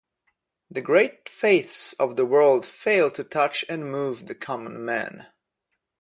The great faiths of the world fail to touch and move the common man.